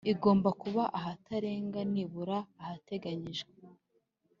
igomba kuba ahatarenga nibura ahateganyijwe